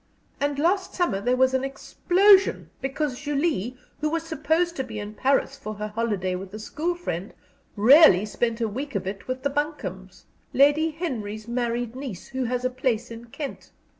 And last summer there was an explosion, because Julie, who was supposed to be in Paris for her holiday with a school friend, really spent a week of it with the Buncombes, Lady Henry's married niece, who has a place in Kent.